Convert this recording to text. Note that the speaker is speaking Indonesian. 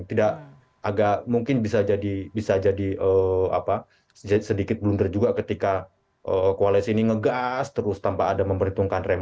tidak agak mungkin bisa jadi sedikit blunder juga ketika koalisi ini ngegas terus tanpa ada memperhitungkan rem